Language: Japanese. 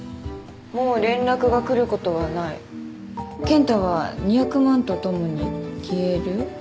もう連絡が来ることはない賢太は２００万と共に消える？